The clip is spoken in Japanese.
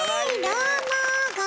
どうも！